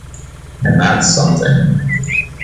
And that’s something.